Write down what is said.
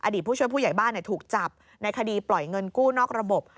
ผู้ช่วยผู้ใหญ่บ้านถูกจับในคดีปล่อยเงินกู้นอกระบบ